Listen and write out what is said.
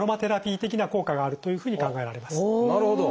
なるほど。